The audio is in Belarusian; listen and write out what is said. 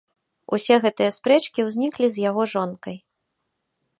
Усе гэтыя спрэчкі ўзніклі з яго жонкай.